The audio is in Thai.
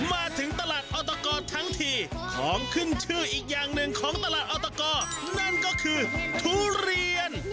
มาถึงตลาดออตกรทั้งทีของขึ้นชื่ออีกอย่างหนึ่งของตลาดออตกนั่นก็คือทุเรียน